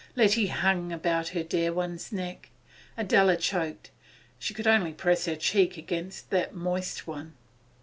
Letty hung about her dear one's neck. Adela choked; she could only press her cheek against that moist one.